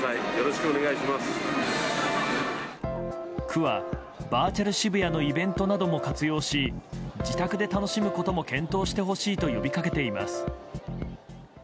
区は、バーチャル渋谷のイベントなども活用し自宅で楽しむことも検討してほしいと呼びかけています。